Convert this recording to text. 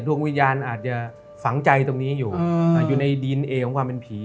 ดวงวิญญาณอาจจะฝังใจตรงนี้อยู่อยู่ในดินเอของความเป็นผี